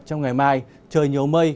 trong ngày mai trời nhiều mây